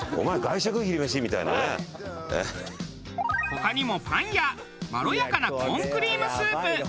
他にもパンやまろやかなコーンクリームスープ。